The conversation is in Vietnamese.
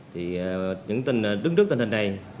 thì những tình hình đứng trước tình hình này